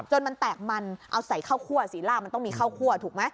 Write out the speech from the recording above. จนมันแตกมันเอาใส่ข้าวคั่วสีล่ามันต้องมีข้าวคั่วถูกไหม